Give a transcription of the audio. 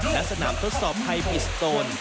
และสนามทดสอบภัยพิสโตน